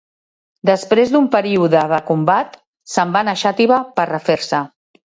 Després d'un període de combat, se'n van a Xàtiva per refer-se.